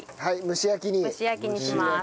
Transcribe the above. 蒸し焼きにします。